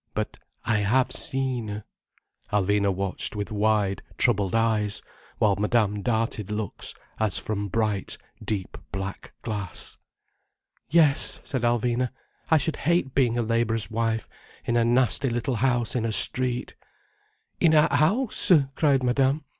But I have seen—" Alvina watched with wide, troubled eyes, while Madame darted looks, as from bright, deep black glass. "Yes," said Alvina. "I should hate being a labourer's wife in a nasty little house in a street—" "In a house?" cried Madame.